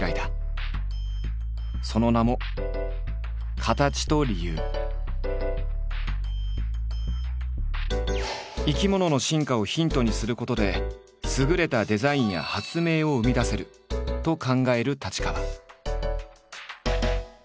その名も生き物の進化をヒントにすることで優れたデザインや発明を生み出せると考える太刀川。